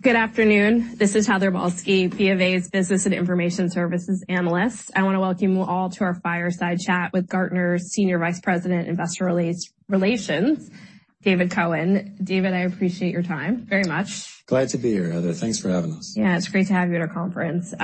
Good afternoon. This is Heather Balsky, BofA's Business and Information Services Analyst. I want to welcome you all to our fireside chat with Gartner's Senior Vice President, Investor Relations, David Cohen. David, I appreciate your time very much. Glad to be here, Heather. Thanks for having us. Yeah, it's great to have you at our conference.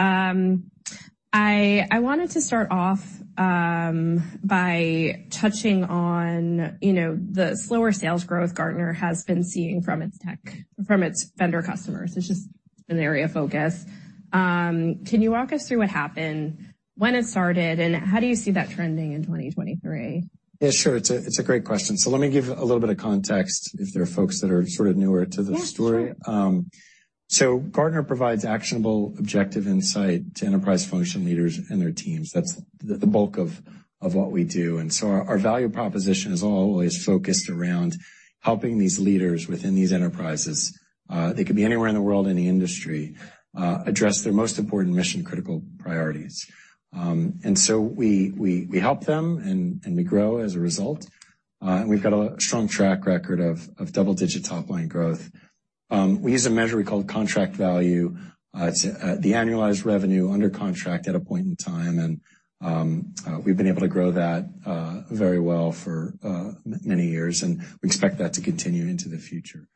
I wanted to start off by touching on you know, the slower sales growth Gartner has been seeing from its vendor customers. It's just an area of focus. Can you walk us through what happened, when it started, and how do you see that trending in 2023? Yeah, sure. It's a great question. Let me give a little bit of context if there are folks that are sort of newer to the story. Yeah, sure. Gartner provides actionable, objective insight to enterprise function leaders and their teams. That's the bulk of what we do. Our value proposition is always focused around helping these leaders within these enterprises, they could be anywhere in the world, any industry, address their most important mission-critical priorities. We help them, and we grow as a result. We've got a strong track record of double-digit top-line growth. We use a measure we call contract value. It's the annualized revenue under contract at a point in time, and we've been able to grow that very well for many years, and we expect that to continue into the future.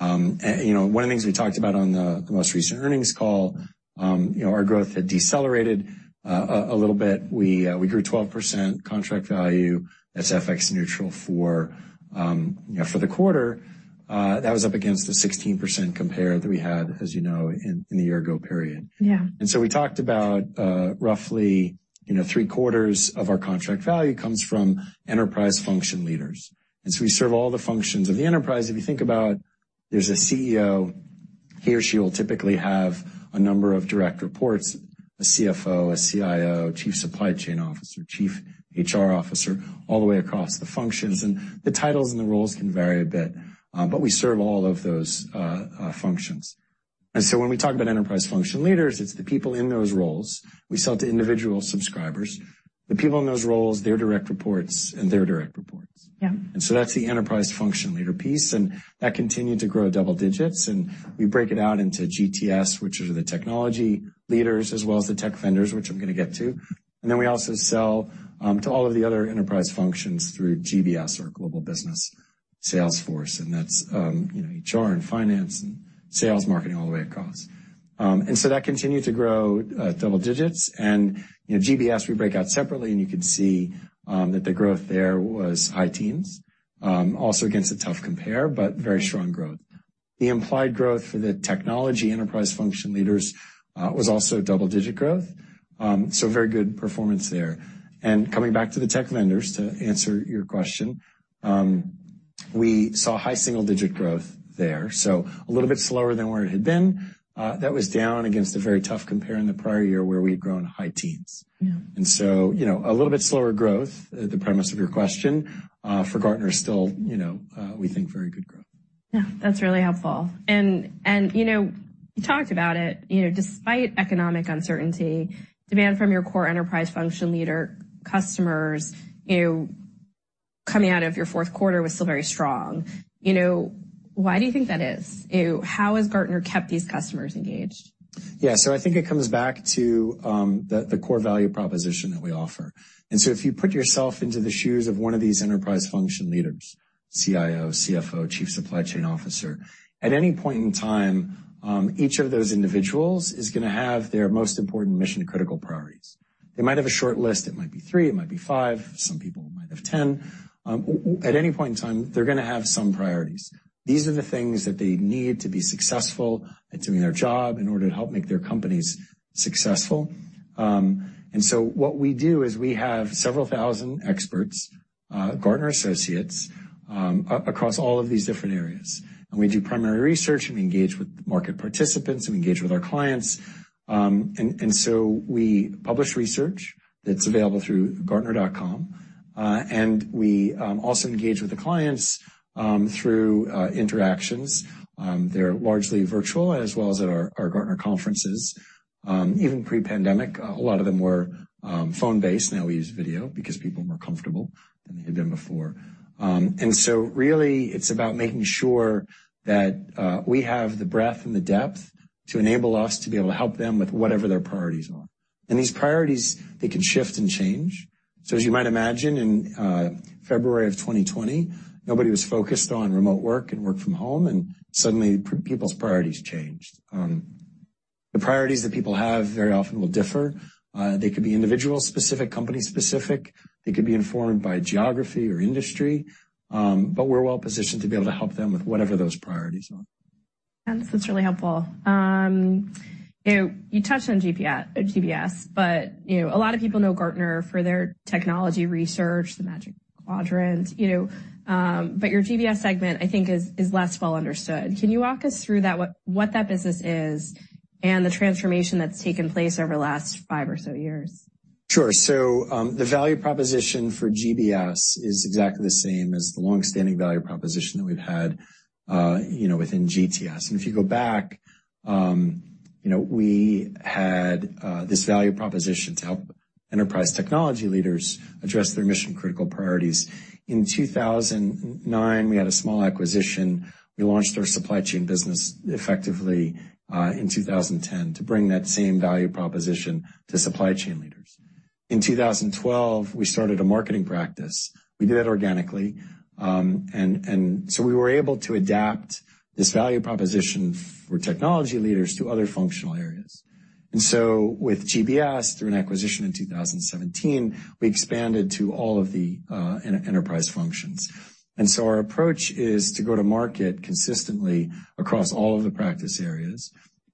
You know, one of the things we talked about on the most recent earnings call you know, our growth had decelerated a little bit. We grew 12% contract value that's FX Neutral for, you know, for the quarter. That was up against the 16% compare that we had, as you know, in the year ago period. Yeah. We talked about roughly you know, three quarters of our contract value comes from enterprise function leaders. We serve all the functions of the enterprise. If you think about it, there's a CEO, he or she will typically have a number of direct reports, a CFO, a CIO, chief supply chain officer, chief HR officer, all the way across the functions. The titles and the roles can vary a bit, but we serve all of those functions. When we talk about enterprise function leaders, it's the people in those roles. We sell to individual subscribers. The people in those roles, their direct reports, and their direct reports. Yeah. That's the enterprise function leader piece, and that continued to grow double digits. We break it out into GTS, which are the technology leaders, as well as the tech vendors, which I'm gonna get to. We also sell to all of the other enterprise functions through GBS or Global Business Sales, and that's, you know, HR and finance and sales, marketing, all the way across. That continued to grow double digits. You know, GBS, we break out separately, and you can see that the growth there was high teens also against a tough compare, but very strong growth. The implied growth for the technology enterprise function leaders was also double-digit growth. Very good performance there. Coming back to the tech vendors to answer your question, we saw high single-digit growth there. A little bit slower than where it had been. That was down against a very tough compare in the prior year where we had grown high teens. Yeah. you know, a little bit slower growth, the premise of your question, for Gartner still, you know, we think very good growth. Yeah. That's really helpful. You know, you talked about it, you know, despite economic uncertainty, demand from your core enterprise function leader customers, you know, coming out of your fourth quarter was still very strong. You know, why do you think that is? You know, how has Gartner kept these customers engaged? Yeah. I think it comes back to the core value proposition that we offer. If you put yourself into the shoes of one of these enterprise function leaders, CIO, CFO, chief supply chain officer, at any point in time, each of those individuals is gonna have their most important mission-critical priorities. They might have a short list. It might be three, it might be five, some people might have 10. At any point in time, they're gonna have some priorities. These are the things that they need to be successful at doing their job in order to help make their companies successful. What we do is we have several thousand experts, Gartner associates, across all of these different areas. We do primary research, and we engage with market participants, and we engage with our clients. We publish research that's available through gartner.com. We also engage with the clients through interactions. They're largely virtual, as well as at our Gartner conferences. Even pre-pandemic, a lot of them were phone-based. Now we use video because people are more comfortable than they had been before. Really it's about making sure that we have the breadth and the depth to enable us to be able to help them with whatever their priorities are. These priorities, they can shift and change. As you might imagine, in February of 2020, nobody was focused on remote work and work from home, and suddenly people's priorities changed. The priorities that people have very often will differ. They could be individual specific, company specific. They could be informed by geography or industry. We're well positioned to be able to help them with whatever those priorities are. Yeah. This is really helpful. You touched on GBS, you know, a lot of people know Gartner for their technology research, the Magic Quadrant, you know. Your GBS segment, I think is less well understood. Can you walk us through that, what that business is and the transformation that's taken place over the last five or so years? Sure. The value proposition for GBS is exactly the same as the long-standing value proposition that we've had, you know, within GTS. If you go back, you know, we had this value proposition to help enterprise technology leaders address their mission-critical priorities. In 2009, we had a small acquisition. We launched our supply chain business effectively, in 2010 to bring that same value proposition to supply chain leaders. In 2012, we started a marketing practice. We did it organically, and so we were able to adapt this value proposition for technology leaders to other functional areas. With GBS, through an acquisition in 2017, we expanded to all of the enterprise functions. Our approach is to go to market consistently across all of the practice areas.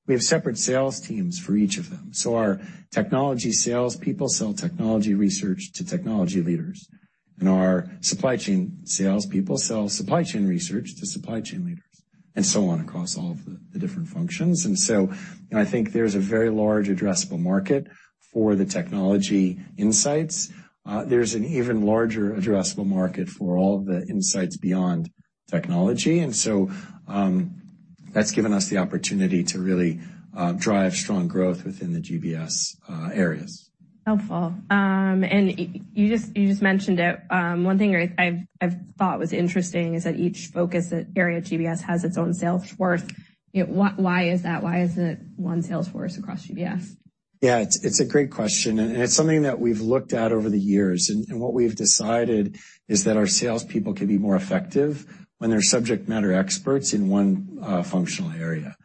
We have separate sales teams for each of them. Our technology salespeople sell technology research to technology leaders, and our supply chain salespeople sell supply chain research to supply chain leaders, and so on across all of the different functions. You know, I think there's a very large addressable market for the technology insights. There's an even larger addressable market for all of the insights beyond technology. That's given us the opportunity to really drive strong growth within the GBS areas. Helpful. You just mentioned it. One thing I thought was interesting is that each focus area at GBS has its own sales force. You know, why is that? Why isn't it one sales force across GBS? Yeah, it's a great question, and it's something that we've looked at over the years. What we've decided is that our salespeople can be more effective when they're subject matter experts in one functional area.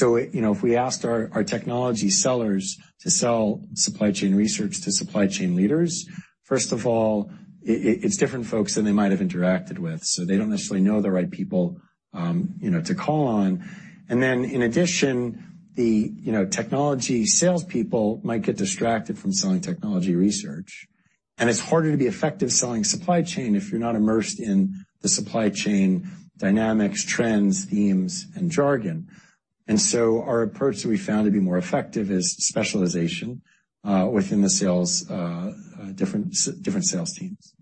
You know, if we asked our technology sellers to sell supply chain research to supply chain leaders, first of all, it's different folks than they might have interacted with, so they don't necessarily know the right people, you know, to call on. In addition, you know, technology salespeople might get distracted from selling technology research. It's harder to be effective selling supply chain if you're not immersed in the supply chain dynamics, trends, themes, and jargon. Our approach that we found to be more effective is specialization within the sales, different sales teams.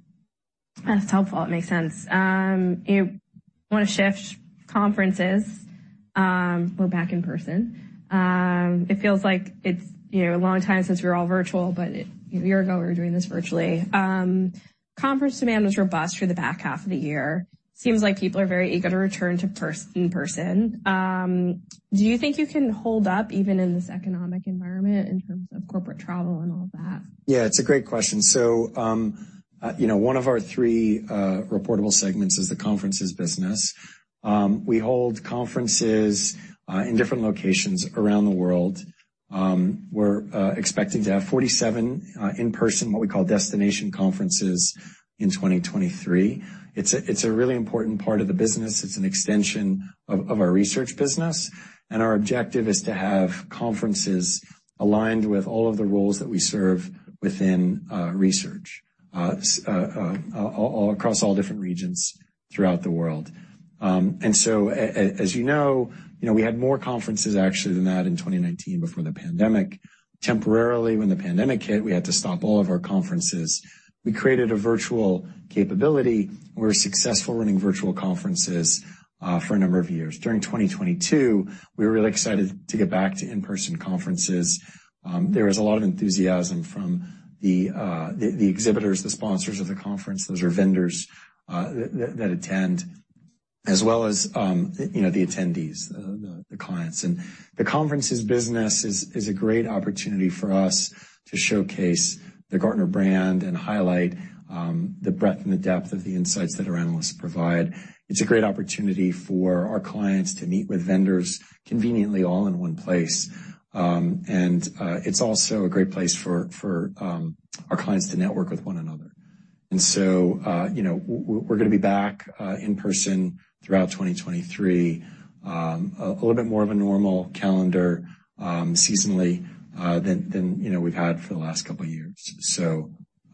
That's helpful. It makes sense. I wanna shift. Conferences, we're back in person. It feels like it's, you know, a long time since we were all virtual, but a year ago we were doing this virtually. Conference demand was robust for the back half of the year. Seems like people are very eager to return to in person. Do you think you can hold up even in this economic environment in terms of corporate travel and all that? Yeah it's a great question. you know one of our three reportable segments is the conferences business. We hold conferences in different locations around the world. We're expecting to have 47 in person, what we call destination conferences in 2023. It's a really important part of the business. It's an extension of our research business, and our objective is to have conferences aligned with all of the roles that we serve within research across all different regions throughout the world. as you know, we had more conferences actually than that in 2019 before the pandemic. Temporarily, when the pandemic hit, we had to stop all of our conferences. We created a virtual capability. We were successful running virtual conferences for a number of years. During 2022, we were really excited to get back to in-person conferences. There was a lot of enthusiasm from the exhibitors, the sponsors of the conference. Those are vendors that attend as well as, you know, the attendees, the clients. The conferences business is a great opportunity for us to showcase the Gartner brand and highlight the breadth and the depth of the insights that our analysts provide. It's a great opportunity for our clients to meet with vendors conveniently all in one place. It's also a great place for our clients to network with one another. You know, we're gonna be back in person throughout 2023. A little bit more of a normal calendar, seasonally, than, you know, we've had for the last two years.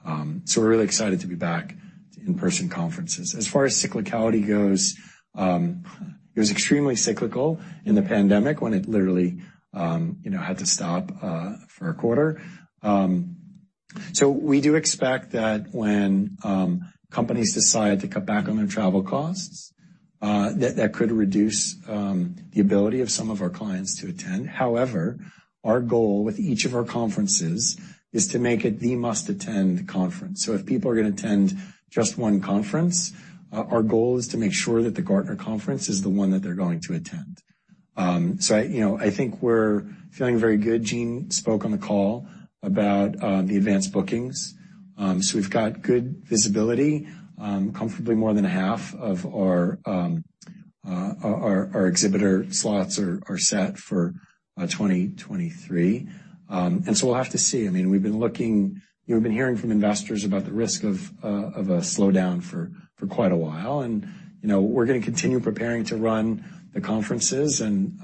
We're really excited to be back to in-person conferences. As far as cyclicality goes, it was extremely cyclical in the pandemic when it literally, you know, had to stop for a quarter. We do expect that when companies decide to cut back on their travel costs, that that could reduce the ability of some of our clients to attend. However, our goal with each of our conferences is to make it the must-attend conference. If people are gonna attend just one conference, our goal is to make sure that the Gartner conference is the one that they're going to attend. You know, I think we're feeling very good. Gene spoke on the call about the advanced bookings. We've got good visibility. Comfortably more than half of our exhibitor slots are set for 2023. We'll have to see. I mean, We've been hearing from investors about the risk of a slowdown for quite a while. You know, we're gonna continue preparing to run the conferences and,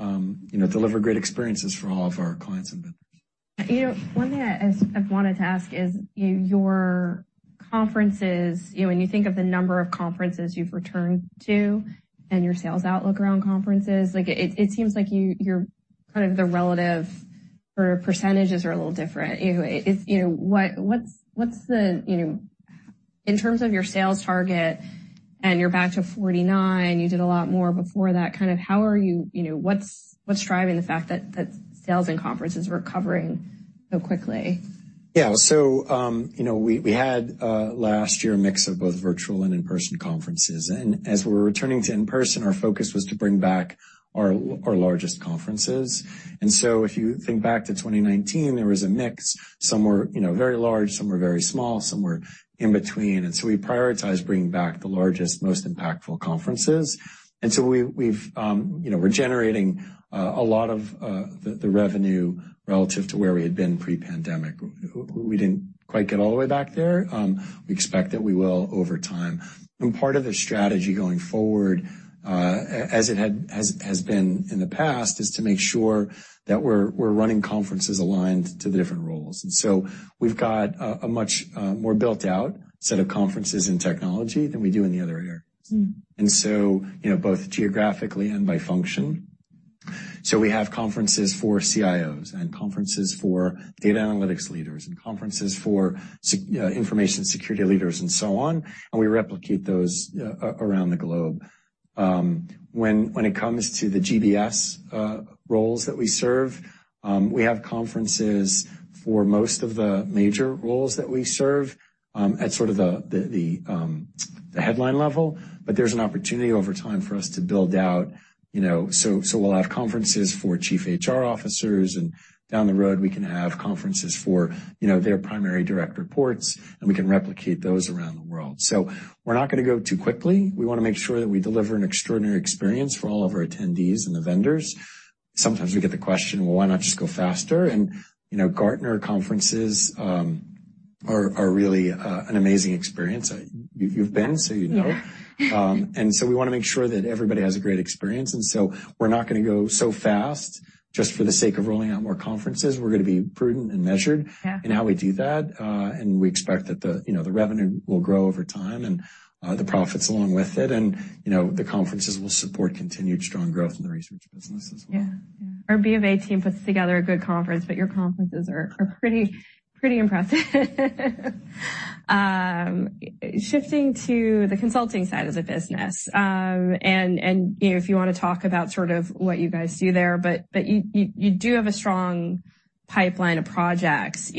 you know, deliver great experiences for all of our clients and vendors. You know, one thing I've wanted to ask is your conferences, you know, when you think of the number of conferences you've returned to and your sales outlook around conferences, like, it seems like you're kind of the relative or percentages are a little different. You know, what's the, you know, in terms of your sales target, and you're back to 49, you did a lot more before that, kind of how are you know, what's driving the fact that sales and conference is recovering so quickly? Yeah. You know, we had last year a mix of both virtual and in-person conferences. As we're returning to in-person, our focus was to bring back our largest conferences. If you think back to 2019, there was a mix. Some were, you know, very large, some were very small, some were in between. We prioritized bringing back the largest, most impactful conferences. We've, you know, we're generating a lot of the revenue relative to where we had been pre-pandemic. We didn't quite get all the way back there. We expect that we will over time. Part of the strategy going forward, as it has been in the past, is to make sure that we're running conferences aligned to the different roles. We've got a much more built-out set of conferences in technology than we do in the other areas. Mm. You know, both geographically and by function. We have conferences for CIOs and conferences for data analytics leaders and conferences for information security leaders and so on, and we replicate those around the globe. When it comes to the GBS roles that we serve, we have conferences for most of the major roles that we serve at sort of the headline level. There's an opportunity over time for us to build out, you know. We'll have conferences for chief HR officers, and down the road we can have conferences for, you know, their primary direct reports, and we can replicate those around the world. We're not gonna go too quickly. We wanna make sure that we deliver an extraordinary experience for all of our attendees and the vendors. Sometimes we get the question, "Well, why not just go faster?" You know, Gartner conferences are really an amazing experience. You've been, so you know. Yeah. We wanna make sure that everybody has a great experience. We're not gonna go so fast just for the sake of rolling out more conferences. We're gonna be prudent and measured. Yeah. in how we do that. We expect that the you know, the revenue will grow over time and the profits along with it. You know the conferences will support continued strong growth in the research business as well. Yeah. Our B of A team puts together a good conference, but your conferences are pretty impressive. Shifting to the consulting side of the business, and you know, if you wanna talk about sort of what you guys do there, but you do have a strong pipeline of projects.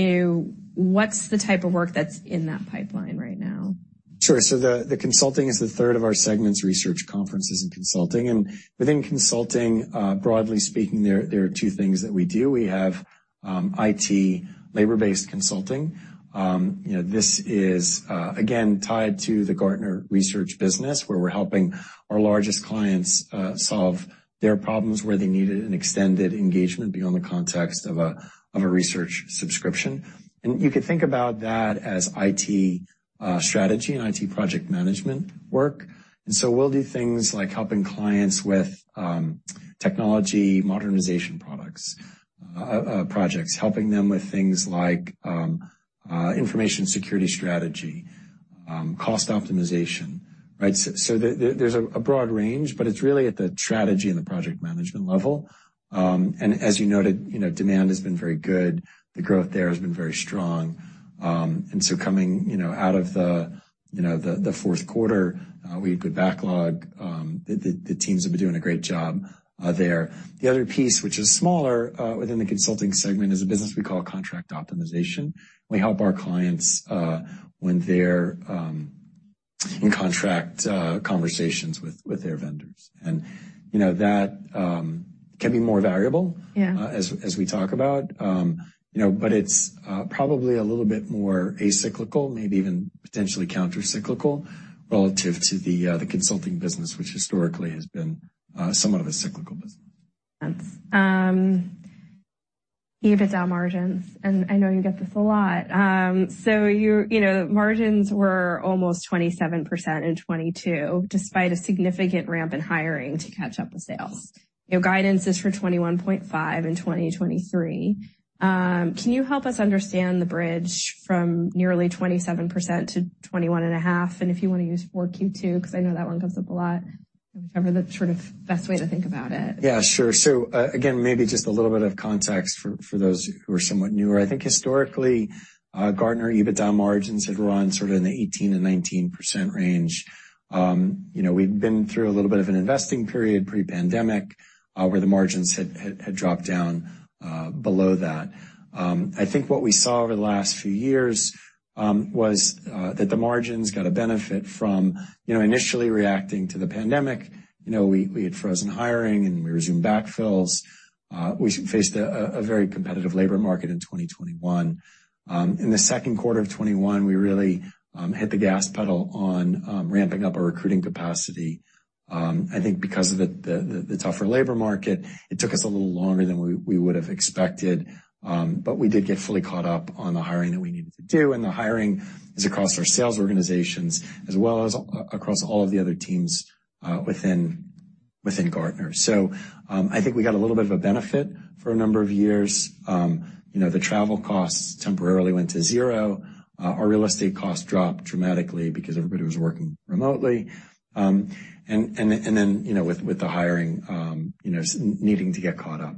What's the type of work that's in that pipeline right now? Sure. The consulting is the third of our segments, research, conferences, and consulting. Within consulting, broadly speaking, there are two things that we do. We have IT labor-based consulting. You know, this is again tied to the Gartner research business, where we're helping our largest clients solve their problems where they needed an extended engagement beyond the context of a research subscription. You could think about that as IT strategy and IT project management work. We'll do things like helping clients with technology modernization products, projects, helping them with things like information security strategy, cost optimization, right? There's a broad range, but it's really at the strategy and the project management level. As you noted, you know, demand has been very good. The growth there has been very strong. Coming, you know out of the you know the fourth quarter, we had good backlog. The teams have been doing a great job there. The other piece, which is smaller, within the consulting segment, is a business we call Contract Optimization. We help our clients when they're in contract conversations with their vendors. You know, that can be more variable Yeah. as we talk about. You know, it's probably a little bit more acyclical, maybe even potentially countercyclical relative to the consulting business, which historically has been somewhat of a cyclical business. Sense. EBITDA margins, I know you get this a lot. You know, margins were almost 27% in 2022, despite a significant ramp in hiring to catch up with sales. You know, guidance is for 21.5% in 2023. Can you help us understand the bridge from nearly 27% to 21.5%? If you wanna use 4Q2, 'cause I know that one comes up a lot, whichever the sort of best way to think about it. Yeah, sure. Again, maybe just a little bit of context for those who are somewhat newer. I think historically, Gartner EBITDA margins had run sort of in the 18% and 19% range. We'd been through a little bit of an investing period pre-pandemic, where the margins had dropped down below that. I think what we saw over the last few years, was that the margins got a benefit from initially reacting to the pandemic. We had frozen hiring, and we resumed backfills. We faced a very competitive labor market in 2021. In the second quarter of '21, we really hit the gas pedal on ramping up our recruiting capacity. I think because of the tougher labor market, it took us a little longer than we would have expected, but we did get fully caught up on the hiring that we needed to do. The hiring is across our sales organizations as well as across all of the other teams within Gartner. I think we got a little bit of a benefit for a number of years. You know, the travel costs temporarily went to zero. Our real estate costs dropped dramatically because everybody was working remotely. Then, you know, with the hiring, you know, needing to get caught up.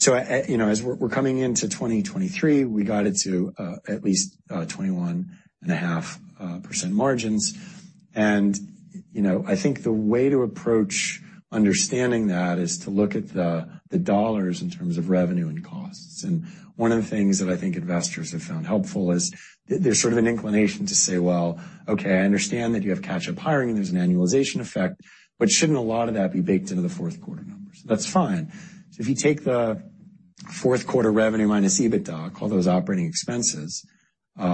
You know, as we're coming into 2023, we got it to at least 21.5% margins. You know, I think the way to approach understanding that is to look at the dollars in terms of revenue and costs. One of the things that I think investors have found helpful is there's sort of an inclination to say, "Well, okay, I understand that you have catch-up hiring, and there's an annualization effect, but shouldn't a lot of that be baked into the fourth quarter numbers?" That's fine. If you take the fourth quarter revenue minus EBITDA, all those operating expenses, you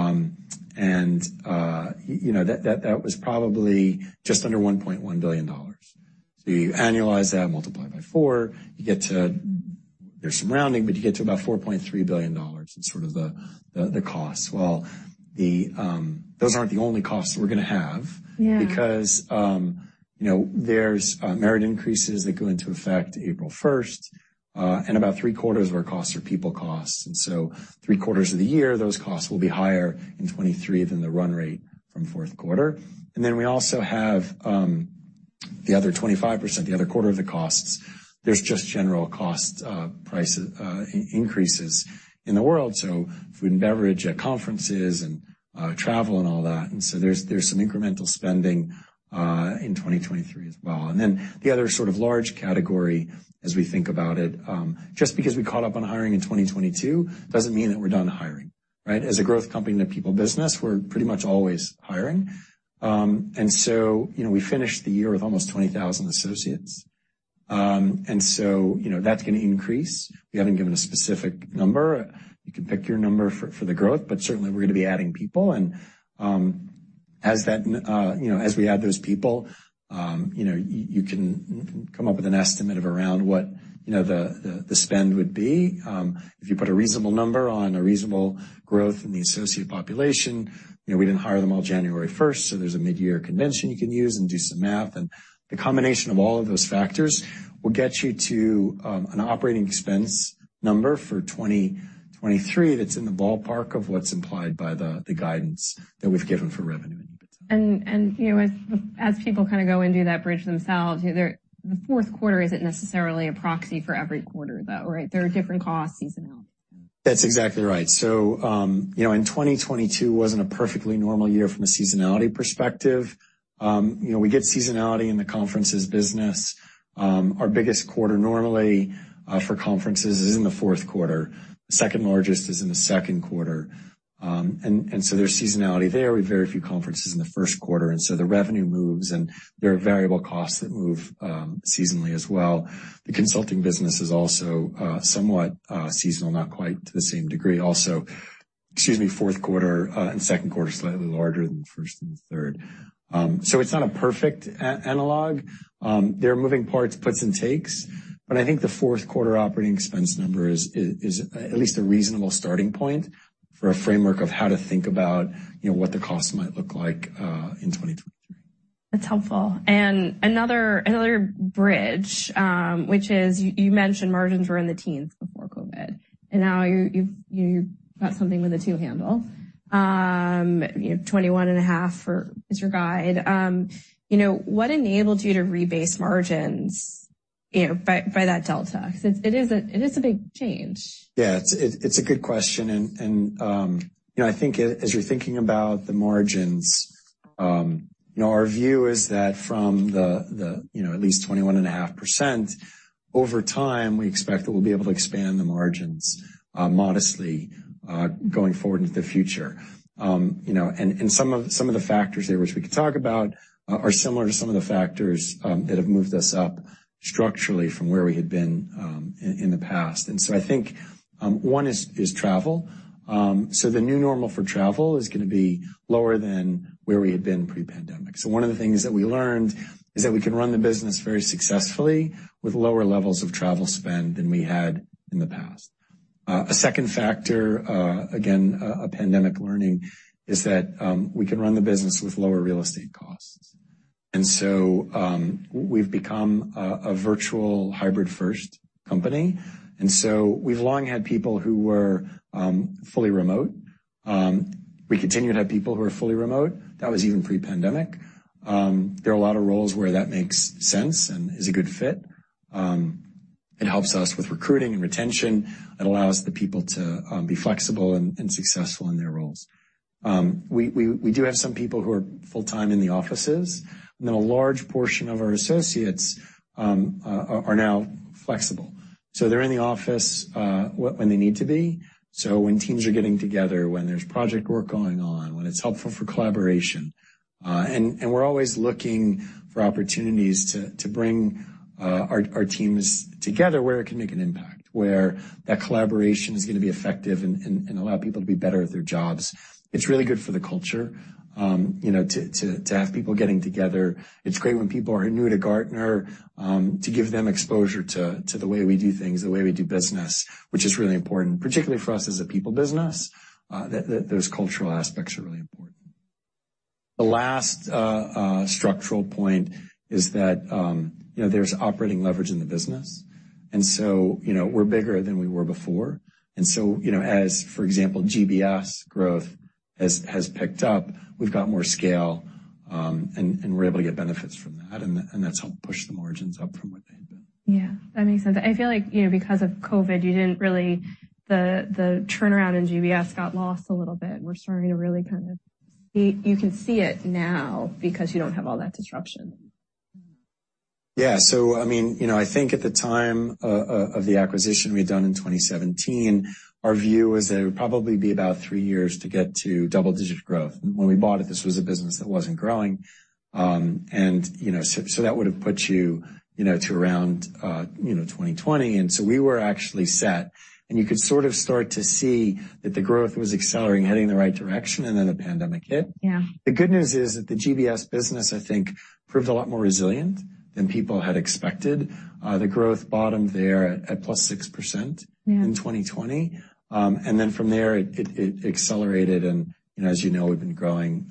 know, that was probably just under $1.1 billion. You annualize that, multiply by four, you get to There's some rounding, but you get to about $4.3 billion as sort of the cost. Well, those aren't the only costs that we're gonna have. Yeah. Because, you know, there's merit increases that go into effect April first, and about three-quarters of our costs are people costs. Three-quarters of the year, those costs will be higher in 2023 than the run rate from fourth quarter. We also have the other 25%, the other quarter of the costs. There's just general cost, price increases in the world, so food and beverage at conferences and travel and all that. There's some incremental spending in 2023 as well. The other sort of large category as we think about it, just because we caught up on hiring in 2022 doesn't mean that we're done hiring, right? As a growth company and a people business, we're pretty much always hiring. You know, we finished the year with almost 20,000 associates. You know, that's gonna increase. We haven't given a specific number. You can pick your number for the growth, but certainly we're gonna be adding people. As that, you know, as we add those people, you know, you can come up with an estimate of around what, you know, the spend would be. If you put a reasonable number on a reasonable growth in the associate population, you know, we didn't hire them all January 1st, so there's a mid-year convention you can use and do some math. The combination of all of those factors will get you to an operating expense number for 2023 that's in the ballpark of what's implied by the guidance that we've given for revenue and EBITDA. You know, as people kinda go and do that bridge themselves, the fourth quarter isn't necessarily a proxy for every quarter, though, right? There are different costs seasonally. That's exactly right. You know, and 2022 wasn't a perfectly normal year from a seasonality perspective. You know, we get seasonality in the conferences business. Our biggest quarter normally for conferences is in the fourth quarter. The second largest is in the second quarter. There's seasonality there. We have very few conferences in the first quarter, and so the revenue moves, and there are variable costs that move seasonally as well. The consulting business is also somewhat seasonal, not quite to the same degree. Excuse me, fourth quarter and second quarter is slightly larger than the first and the third. It's not a perfect analog. There are moving parts, puts and takes, but I think the fourth quarter operating expense number is at least a reasonable starting point for a framework of how to think about, you know, what the costs might look like in 2023. That's helpful. Another, another bridge, which is you mentioned margins were in the teens before COVID, and now you've got something with a two handle. You know, 21.5% is your guide. You know, what enabled you to rebase margins, you know, by that delta? Because it is a big change. Yeah, it's a good question. You know, I think as you're thinking about the margins, you know, our view is that from the, you know, at least 21.5%, over time, we expect that we'll be able to expand the margins, modestly, going forward into the future. You know, some of the factors there which we could talk about are similar to some of the factors that have moved us up structurally from where we had been in the past. I think, one is travel. The new normal for travel is gonna be lower than where we had been pre-pandemic. One of the things that we learned is that we can run the business very successfully with lower levels of travel spend than we had in the past. A second factor, again, a pandemic learning, is that we can run the business with lower real estate costs. We've become a virtual hybrid first company. We've long had people who were fully remote. We continue to have people who are fully remote. That was even pre-pandemic. There are a lot of roles where that makes sense and is a good fit. It helps us with recruiting and retention. It allows the people to be flexible and successful in their roles. We do have some people who are full-time in the offices, and then a large portion of our associates are now flexible. They're in the office when they need to be. When teams are getting together, when there's project work going on, when it's helpful for collaboration. We're always looking for opportunities to bring our teams together where it can make an impact, where that collaboration is gonna be effective and allow people to be better at their jobs. It's really good for the culture, you know, to have people getting together. It's great when people are new to Gartner to give them exposure to the way we do things, the way we do business, which is really important. Particularly for us as a people business, that those cultural aspects are really important. The last structural point is that, you know, there's operating leverage in the business. You know, we're bigger than we were before. You know, as for example, GBS growth has picked up, we've got more scale, and we're able to get benefits from that, and that's helped push the margins up from what they had been. Yeah, that makes sense. I feel like, you know, because of COVID, you didn't, the turnaround in GBS got lost a little bit, and we're starting to really kind of see, you can see it now because you don't have all that disruption. I mean, you know, I think at the time of the acquisition we had done in 2017, our view was that it would probably be about three years to get to double-digit growth. When we bought it, this was a business that wasn't growing, and, you know, so that would have put you know, to around, you know, 2020. We were actually set, and you could sort to start to see that the growth was accelerating, heading in the right direction, and then the pandemic hit. Yeah. The good news is that the GBS business, I think, proved a lot more resilient than people had expected. The growth bottomed there at +6%. Yeah. in 2020. From there, it accelerated and as you know, we've been growing,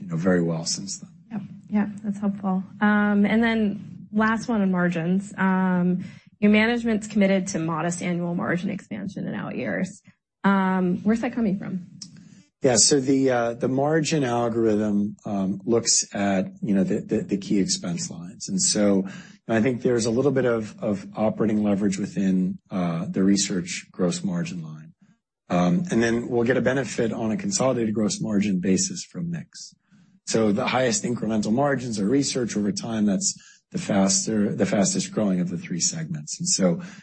you know, very well since then. Yeah. Yeah, that's helpful. Then last one on margins. Your management's committed to modest annual margin expansion in out years. Where's that coming from? Yeah. The margin algorithm looks at, you know, the key expense lines. I think there's a little bit of operating leverage within the research gross margin line. Then we'll get a benefit on a consolidated gross margin basis from mix. The highest incremental margins are research over time. That's the fastest-growing of the three segments.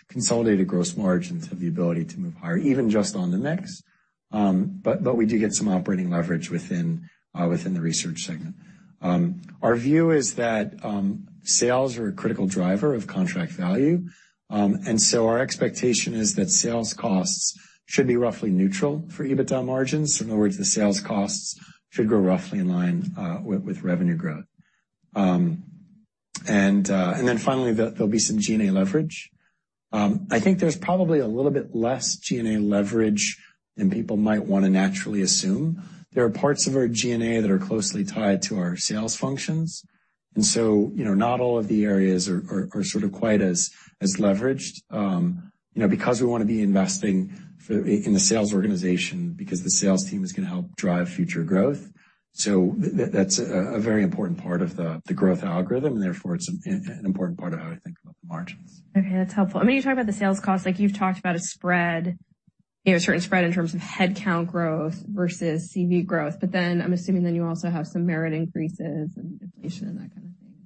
Consolidated gross margins have the ability to move higher even just on the mix. But we do get some operating leverage within the research segment. Our view is that sales are a critical driver of contract value. Our expectation is that sales costs should be roughly neutral for EBITDA margins. In other words, the sales costs should grow roughly in line with revenue growth. Finally, there'll be some G&A leverage. I think there's probably a little bit less G&A leverage than people might wanna naturally assume. There are parts of our G&A that are closely tied to our sales functions, and so, you know, not all of the areas are sort of quite as leveraged, you know, because we wanna be investing in the sales organization because the sales team is gonna help drive future growth. That's a very important part of the growth algorithm, and therefore it's an important part of how to think about the margins. Okay, that's helpful. I mean, you talk about the sales costs like you've talked about a spread, you know, a certain spread in terms of headcount growth versus CV growth. I'm assuming then you also have some merit increases and inflation and that kind of thing.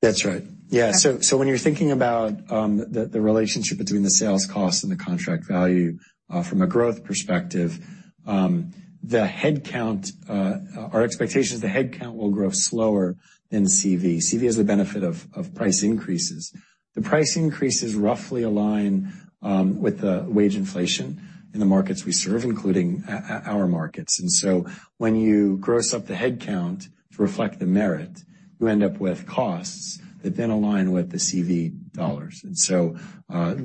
That's right. Yeah. When you're thinking about the relationship between the sales cost and the contract value from a growth perspective, the headcount, our expectation is the headcount will grow slower than CV. CV has the benefit of price increases. The price increases roughly align with the wage inflation in the markets we serve, including our markets. When you gross up the headcount to reflect the merit, you end up with costs that then align with the CV dollars.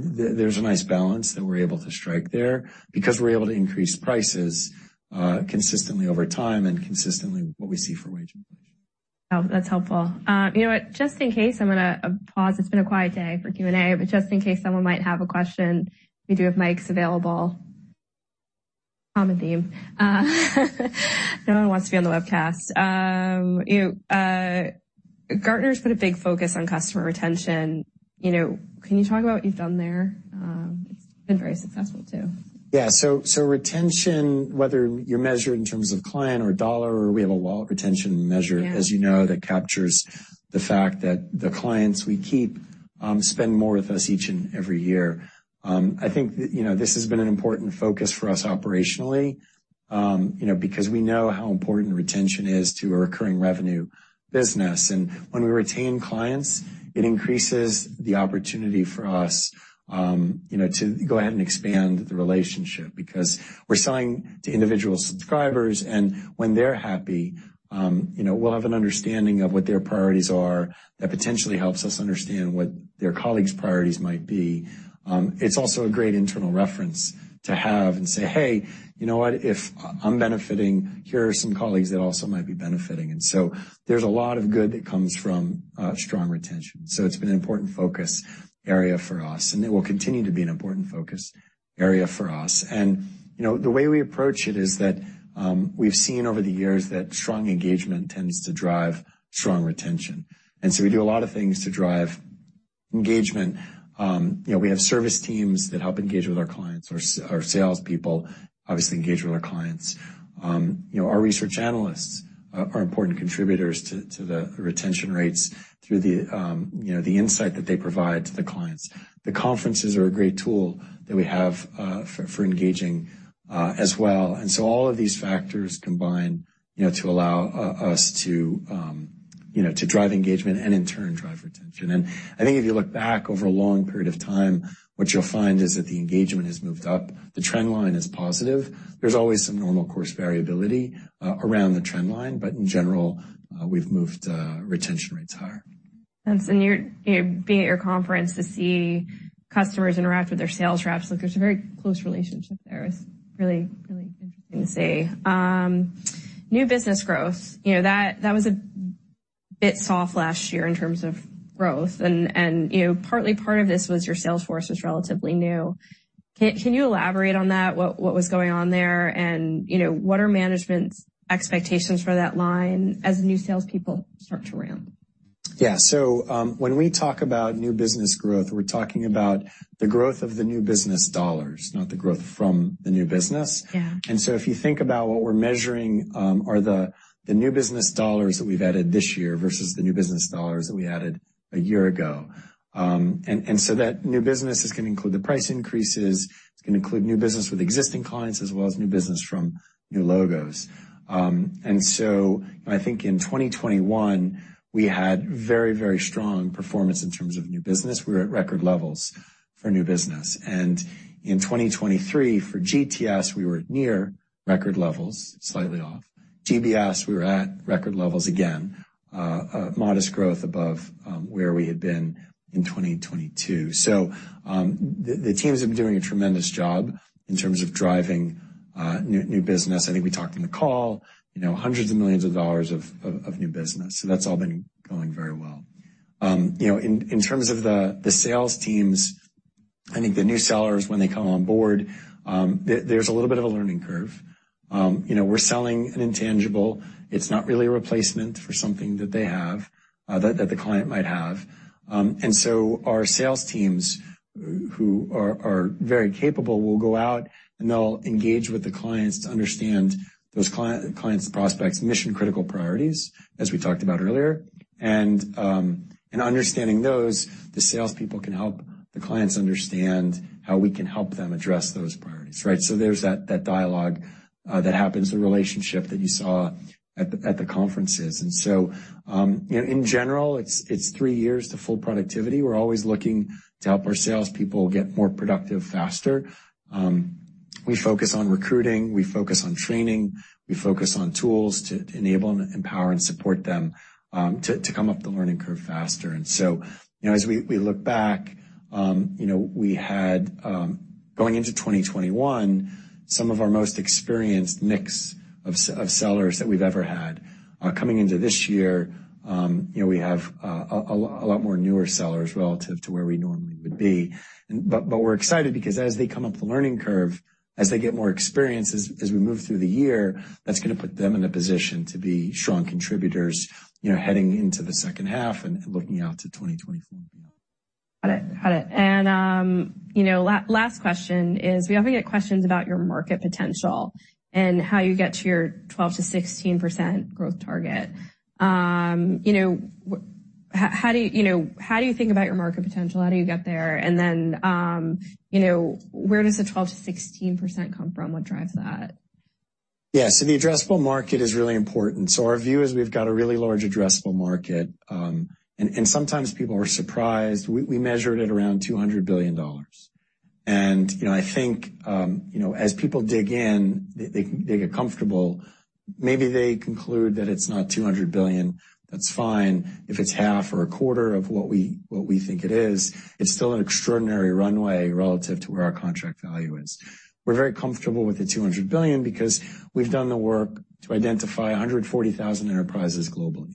There's a nice balance that we're able to strike there because we're able to increase prices consistently over time and consistently what we see for wage inflation. Oh, that's helpful. You know what? Just in case, I'm gonna pause. It's been a quiet day for Q&A. Just in case someone might have a question, we do have mics available. Common theme. No one wants to be on the webcast. You know, Gartner's put a big focus on customer retention. You know, can you talk about what you've done there? It's been very successful too. Yeah. Retention, whether you measure in terms of client or dollar or we have a wallet retention measure. Yeah. As you know, that captures the fact that the clients we keep, spend more with us each and every year. I think, you know, this has been an important focus for us operationally, you know, because we know how important retention is to our recurring revenue business. When we retain clients, it increases the opportunity for us, you know, to go ahead and expand the relationship because we're selling to individual subscribers, and when they're happy, you know, we'll have an understanding of what their priorities are. That potentially helps us understand what their colleagues' priorities might be. It's also a great internal reference to have and say, "Hey, you know what? If I'm benefiting, here are some colleagues that also might be benefiting." There's a lot of good that comes from strong retention. It's been an important focus area for us, and it will continue to be an important focus area for us. You know, the way we approach it is that we've seen over the years that strong engagement tends to drive strong retention. We do a lot of things to drive engagement. You know, we have service teams that help engage with our clients. Our salespeople obviously engage with our clients. You know, our research analysts are important contributors to the retention rates through the, you know, the insight that they provide to the clients. The conferences are a great tool that we have for engaging as well. All of these factors combine, you know, to allow us to, you know, to drive engagement and in turn drive retention. I think if you look back over a long period of time, what you'll find is that the engagement has moved up. The trend line is positive. There's always some normal course variability, around the trend line, but in general, we've moved, retention rates higher. That's being at your conference to see customers interact with their sales reps, like, there's a very close relationship there. It's really, really interesting to see. New business growth. You know, that was a bit soft last year in terms of growth and you know, partly part of this was your sales force was relatively new. Can you elaborate on that? What was going on there, an you know, what are management's expectations for that line as the new salespeople start to ramp? Yeah. When we talk about new business growth, we're talking about the growth of the new business dollars, not the growth from the new business. Yeah. If you think about what we're measuring, are the new business dollars that we've added this year versus the new business dollars that we added a year ago. That new business is gonna include the price increases, it's gonna include new business with existing clients, as well as new business from new logos. I think in 2021, we had very, very strong performance in terms of new business. We were at record levels for new business. In 2023, for GTS, we were near record levels, slightly off. GBS, we were at record levels again, modest growth above where we had been in 2022. The teams have been doing a tremendous job in terms of driving new business. I think we talked in the call, you know, $hundreds of millions of new business. That's all been going very well. You know, in terms of the sales teams, I think the new sellers, when they come on board, there's a little bit of a learning curve. You know, we're selling an intangible. It's not really a replacement for something that they have, that the client might have. Our sales teams, who are very capable, will go out, and they'll engage with the clients to understand those client's prospects mission-critical priorities, as we talked about earlier. In understanding those, the salespeople can help the clients understand how we can help them address those priorities, right? There's that dialogue that happens, the relationship that you saw at the conferences. You know, in general, it's three years to full productivity. We're always looking to help our salespeople get more productive faster. We focus on recruiting, we focus on training, we focus on tools to enable and empower and support them to come up the learning curve faster. You know, as we look back, you know, we had going into 2021, some of our most experienced mix of sellers that we've ever had. Coming into this year, you know, we have a lot more newer sellers relative to where we normally would be. we're excited because as they come up the learning curve, as they get more experience, as we move through the year, that's gonna put them in a position to be strong contributors, you know, heading into the second half and looking out to 2024 and beyond. Got it. Got it. You know, last question is we often get questions about your market potential and how you get to your 12%-16% growth target. You know, how do you know, how do you think about your market potential? How do you get there? You know, where does the 12%-16% come from? What drives that? The addressable market is really important. Our view is we've got a really large addressable market, and sometimes people are surprised. We measure it at around $200 billion. You know, I think, you know, as people dig in, they get comfortable. Maybe they conclude that it's not $200 billion. That's fine. If it's half or a quarter of what we, what we think it is, it's still an extraordinary runway relative to where our contract value is. We're very comfortable with the $200 billion because we've done the work to identify 140,000 enterprises globally.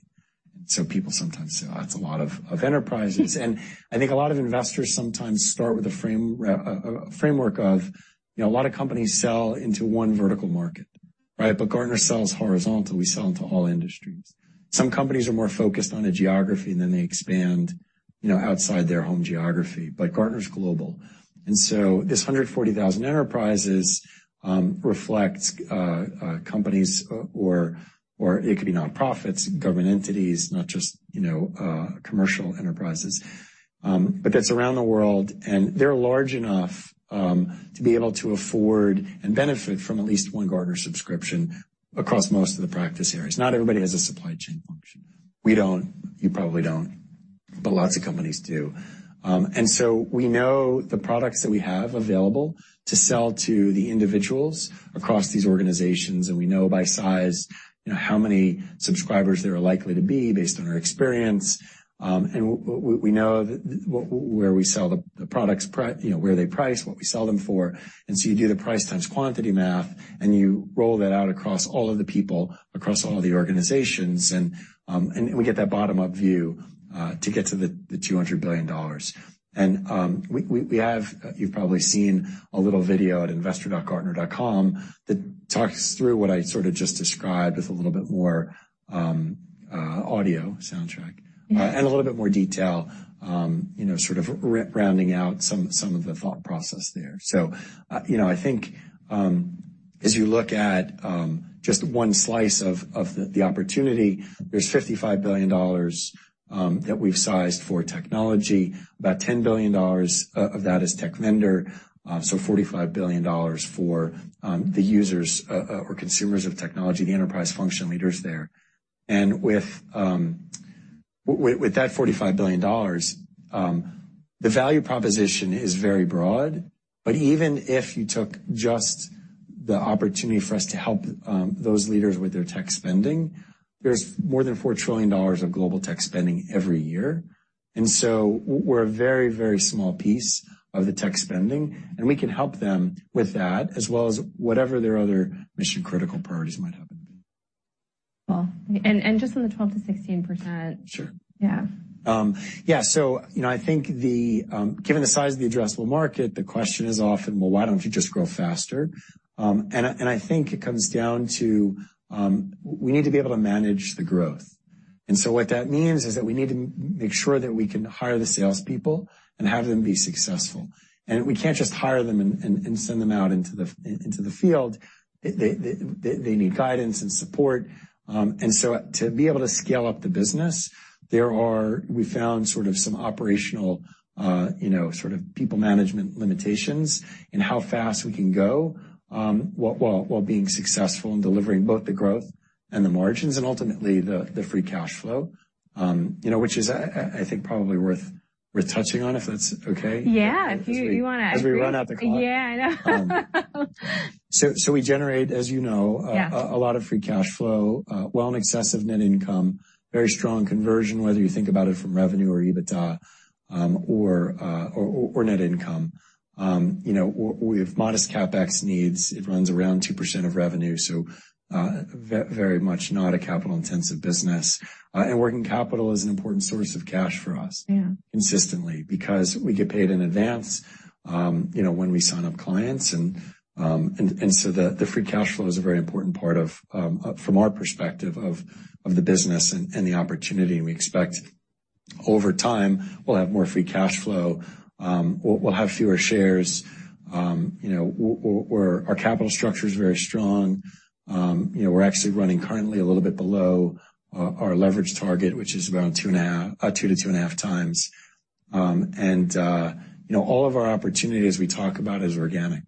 People sometimes say, "Oh, that's a lot of enterprises." I think a lot of investors sometimes start with a framework of, you know, a lot of companies sell into one vertical market, right? Gartner sells horizontal. We sell into all industries. Some companies are more focused on a geography, and then they expand, you know, outside their home geography, but Gartner's global. This 140,000 enterprises reflects companies or it could be nonprofits, government entities, not just, you know, commercial enterprises, but that's around the world, and they're large enough to be able to afford and benefit from at least one Gartner subscription across most of the practice areas. Not everybody has a supply chain function. We don't. You probably don't. Lots of companies do. We know the products that we have available to sell to the individuals across these organizations, and we know by size, you know, how many subscribers there are likely to be based on our experience, and we know where we sell the products, you know, where they price, what we sell them for. You do the price times quantity math, and you roll that out across all of the people, across all of the organizations, and we get that bottom-up view to get to the $200 billion. We have. You've probably seen a little video at investor.gartner.com that talks through what I sort of just described with a little bit more audio soundtrack. Yeah. A little bit more detail, you know, sort of rounding out some of the thought process there. You know, I think, as you look at, just one slice of the opportunity, there's $55 billion that we've sized for technology. About $10 billion of that is tech vendor, so $45 billion for the users, or consumers of technology, the enterprise function leaders there. With that $45 billion, the value proposition is very broad, but even if you took just the opportunity for us to help those leaders with their tech spending, there's more than $4 trillion of global tech spending every year. We're a very small piece of the tech spending, and we can help them with that as well as whatever their other mission-critical priorities might have. Just on the 12%-16%. Sure. Yeah. Yeah. You know, I think the, given the size of the addressable market, the question is often, well, why don't you just grow faster? I, and I think it comes down to, we need to be able to manage the growth. What that means is that we need to make sure that we can hire the salespeople and have them be successful. We can't just hire them and send them out into the, into the field. They need guidance and support. to be able to scale up the business, we found sort of some operational, you know, sort of people management limitations in how fast we can go, while being successful in delivering both the growth and the margins and ultimately the free cash flow, you know, which is, I think probably worth touching on, if that's okay. Yeah. If you wanna. As we run out the clock. Yeah, I know. So we generate, as you know, Yeah. A lot of free cash flow, well in excess of net income, very strong conversion, whether you think about it from revenue or EBITDA, or net income. You know, we have modest CapEx needs. It runs around 2% of revenue, so, very much not a capital-intensive business. Working capital is an important source of cash for us. Yeah. consistently because we get paid in advance, you know, when we sign up clients. The free cash flow is a very important part of, from our perspective of the business and the opportunity. We expect over time, we'll have more free cash flow. We'll, we'll have fewer shares. You know, our capital structure is very strong. You know, we're actually running currently a little bit below, our leverage target, which is around two and a half, 2-2.5x. You know, all of our opportunities we talk about is organic.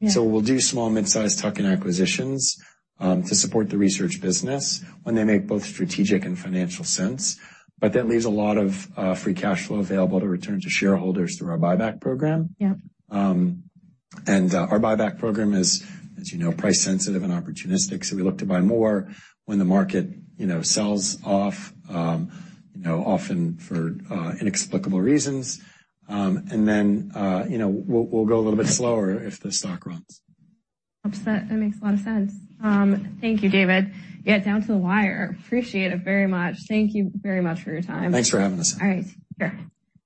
Yeah. We'll do small, midsize tuck-in acquisitions to support the research business when they make both strategic and financial sense. That leaves a lot of free cash flow available to return to shareholders through our buyback program. Yeah. Our buyback program is, as you know, price sensitive and opportunistic, so we look to buy more when the market, you know, sells off, you know, often for inexplicable reasons. We'll go a little bit slower if the stock runs. That makes a lot of sense. Thank you, David. Down to the wire. Appreciate it very much. Thank you very much for your time. Thanks for having us. All right. Sure.